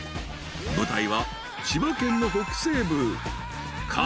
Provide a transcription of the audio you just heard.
［舞台は千葉県の北西部］